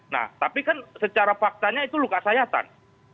nah tapi kan secara faktanya itu luka sayatan